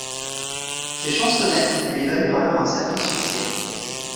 Ses chansonnettes lui valurent alors un certain succès.